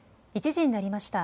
１時になりました。